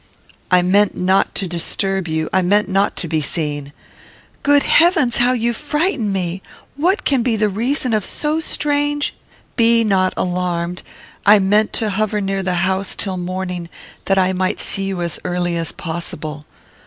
"I meant not to disturb you; I meant not to be seen." "Good heavens! How you frighten me! What can be the reason of so strange " "Be not alarmed. I meant to hover near the house till morning, that I might see you as early as possible."